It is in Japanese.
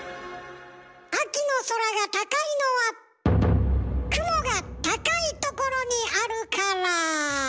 秋の空が高いのは雲が高いところにあるから。